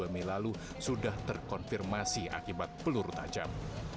dua puluh mei lalu sudah terkonfirmasi akibat peluru tajam